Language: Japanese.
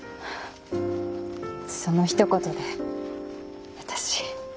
そのひと言で私。